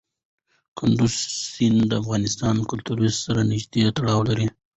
کندز سیند د افغان کلتور سره نږدې تړاو لري.